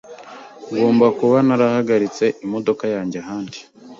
Ngomba kuba narahagaritse imodoka yanjye ahandi .